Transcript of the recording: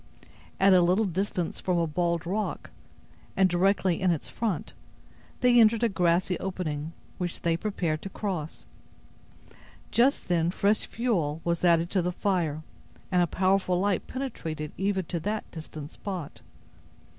At a little distance from a bald rock, and directly in its front, they entered a grassy opening, which they prepared to cross. Just then fresh fuel was added to the fire, and a powerful light penetrated even to that distant spot.